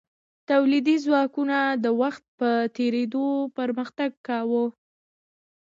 تولیدي ځواکونو د وخت په تیریدو پرمختګ کاوه.